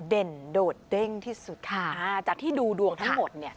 เด่นโดดเด้งที่สุดค่ะอ่าจากที่ดูดวงทั้งหมดเนี่ย